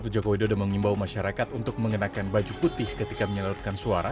jokowi dodo mengimbau masyarakat untuk mengenakan baju putih ketika menyalurkan suara